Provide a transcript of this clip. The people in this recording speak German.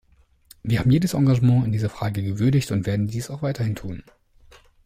Wir haben jedes Engagement in dieser Frage gewürdigt und werden dies auch weiterhin tun.